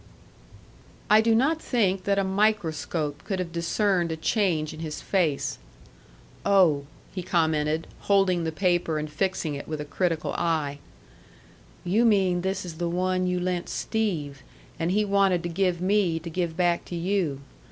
I do not think that a microscope could have discerned a change in his face. "Oh," he commented, holding the paper, and fixing it with a critical eye. "You mean this is the one you lent Steve, and he wanted to give me to give back to you.